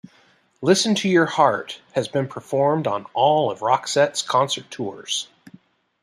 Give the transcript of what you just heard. "Listen to Your Heart" has been performed on all of Roxette's concert tours.